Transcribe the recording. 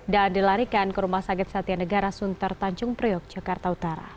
dan dilarikan ke rumah sakit satianegara suntar tanjung priok jakarta utara